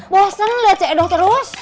bosan liat ceci doh terus